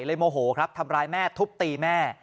โมโหครับทำร้ายแม่ทุบตีแม่